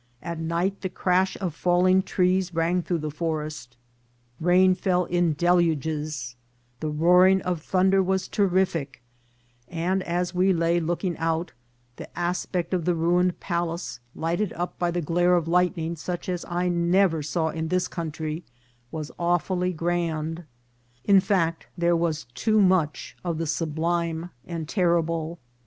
At night the crash of falling trees rang through the forest, rain fell in del uges, the roaring of thunder was terrific, and as we lay looking out, the aspect of the ruined palace, lighted by the glare of lightning such as I never saw in this country, was awfully grand ; in fact, there was too much of the sublime and terrible.